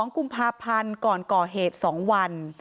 ๒กุมภาพันธ์ก่อนก่อเหตุ๒วัน